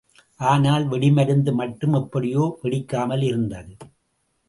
ஆனால் வெடிமருந்து மட்டும் எப்படியோ வெடிக்காமலிருந்தது.